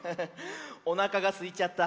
おなかがすいちゃった。